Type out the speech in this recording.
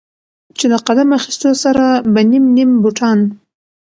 چې د قدم اخيستو سره به نيم نيم بوټان